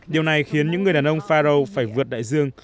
điều này khiến những người đàn ông faro phải vượt đại dương